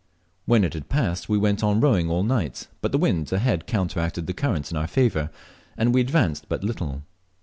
When it had passed we went on rowing all night, but the wind ahead counteracted the current in our favour, and we advanced but little.